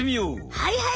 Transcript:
はいはい。